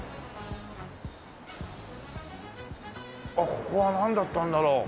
ここはなんだったんだろう？